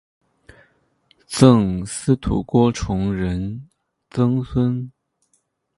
赠司徒郭崇仁曾孙。